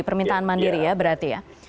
permintaan mandiri ya berarti ya